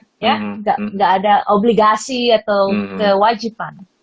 tidak ada obligasi atau kewajiban